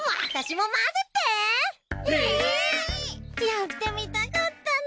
やってみたかったの。